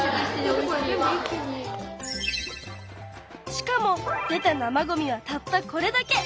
しかも出た生ごみはたったこれだけ！